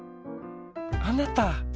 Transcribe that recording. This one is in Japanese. あなた！